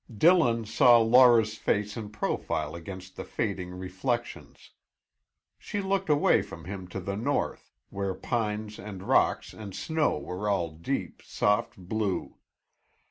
Dillon saw Laura's face in profile against the fading reflections. She looked away from him to the north, where pines and rocks and snow were all deep, soft blue.